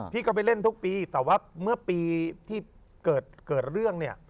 พี่ก็ไปเล่นทุกปีแต่ว่าเมื่อปีที่เกิดเรื่องเนี่ย